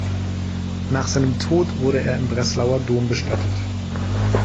Nach seinem Tod wurde er im Breslauer Dom bestattet.